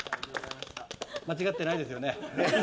間違ってないですよね。